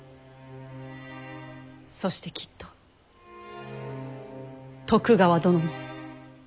そしてきっと徳川殿も。